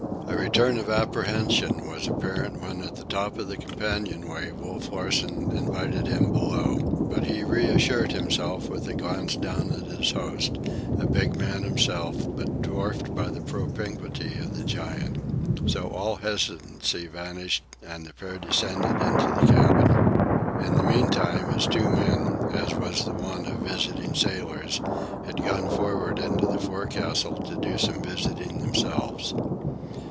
A return of apprehension was apparent when, at the top of the companion way, Wolf Larsen invited him below. But he reassured himself with a glance down at his host—a big man himself but dwarfed by the propinquity of the giant. So all hesitancy vanished, and the pair descended into the cabin. In the meantime, his two men, as was the wont of visiting sailors, had gone forward into the forecastle to do some visiting themselves.